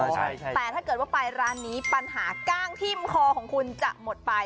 แต่ถ้าเกิดว่าไปร้านนี้ปัญหากล้างทิ้มคอของคุณจะหมดไป